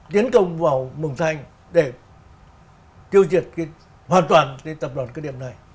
tiến công vào mường thanh để tiêu diệt hoàn toàn lên tập đoàn cứ điểm này